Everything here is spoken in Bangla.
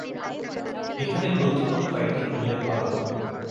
এখানে গুরুত্বপূর্ণ কয়েকটি উল্লেখ করা হলো।